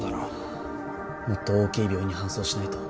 もっと大きい病院に搬送しないと。